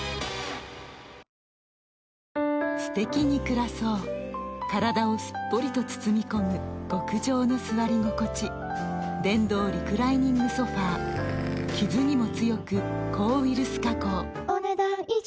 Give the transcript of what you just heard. すてきに暮らそう体をすっぽりと包み込む極上の座り心地電動リクライニングソファ傷にも強く抗ウイルス加工お、ねだん以上。